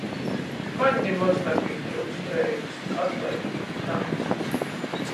Maņ nimoz napītryukst Reigys. Atlaidit, nā.